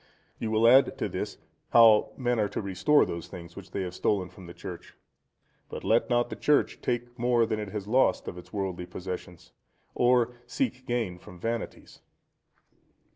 You will add to this, how men are to restore those things which they have stolen from the church. But let not the Church take more than it has lost of its worldly possessions, or seek gain from vanities.